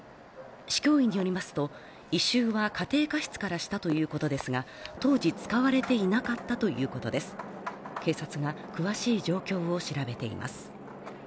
市教委によりますと異臭は家庭科室からしたということですが当時使われていなかったということです警察が詳しい状況を調べています